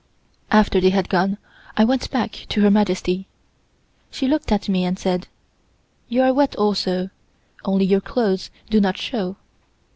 After they had gone, I went back to Her Majesty. She looked at me and said: "You are wet also, only your clothes do not show."